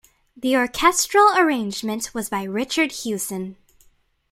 The orchestral arrangement was by Richard Hewson.